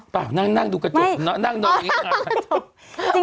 เปล่านั่งหนูกระจดไหม